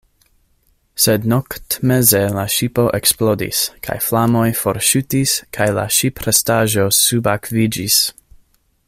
Sed noktmeze la ŝipo eksplodis, la flamoj forŝutis, kaj la ŝiprestaĵo subakviĝis.